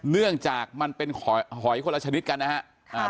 เนื่องจากมันเป็นหอยคนละชนิดกันนะครับ